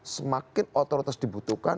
semakin otoritas dibutuhkan